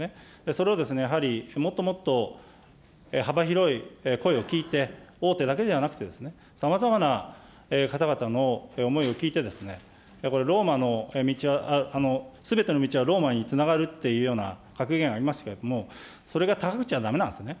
それをやはり、もっともっと幅広い声を聞いて、大手だけではなくてですね、さまざまな方々の思いを聞いてですね、これ、ローマの、すべての道はローマにつながるというような格言ありましたけれども、それが高くちゃだめなんですね。